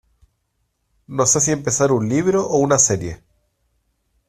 No sé si empezar un libro o una serie.